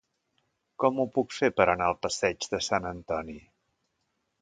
Com ho puc fer per anar al passeig de Sant Antoni?